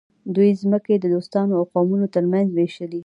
دوی ځمکې د دوستانو او قومونو ترمنځ وویشلې.